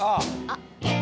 あっ。